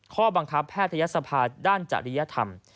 ข้อบังคับแพทยศภาด้านจริยธรรม